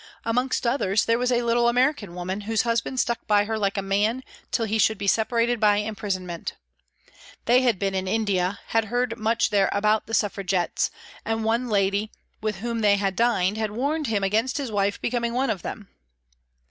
Amongst others, there was a little American woman, whose husband stuck by her like a man till he should be separated by imprisonment. They had been in India, had heard much there about the Suffragettes, and one lady with whom they had dined had warned him against his wife becoming one of them.